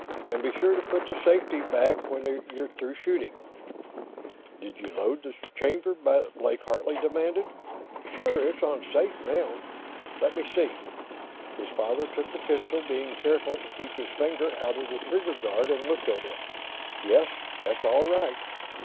And be sure to put the safety back when you're through shooting." "Did you load the chamber?" Blake Hartley demanded. "Sure. It's on safe, now." "Let me see." His father took the pistol, being careful to keep his finger out of the trigger guard, and looked at it. "Yes, that's all right."